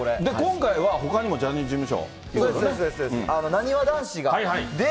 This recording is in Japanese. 今回は、ほかにもジャニーズ事務所。